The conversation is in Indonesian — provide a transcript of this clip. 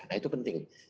nah itu penting